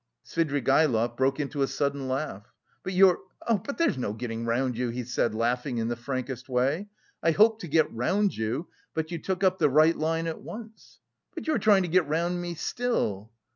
Svidrigaïlov broke into a sudden laugh. "But you're... but there's no getting round you," he said, laughing in the frankest way. "I hoped to get round you, but you took up the right line at once!" "But you are trying to get round me still!"